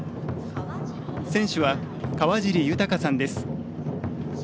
船主は川尻豊さんです。